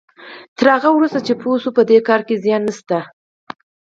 تر هغه وروسته چې پوه شو په دې کار کې زيان نشته.